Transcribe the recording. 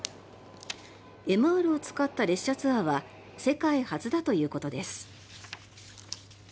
ＭＲを使った列車ツアーは世界初だということです。